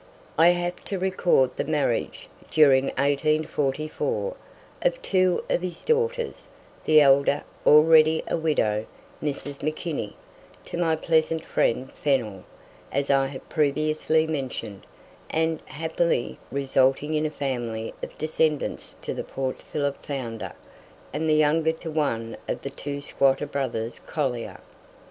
I have to record the marriage, during 1844, of two of his daughters, the elder, already a widow, Mrs. McKinney, to my pleasant friend Fennell, as I have previously mentioned, and, happily, resulting in a family of descendants to the Port Phillip founder, and the younger to one of the two squatter brothers Collyer.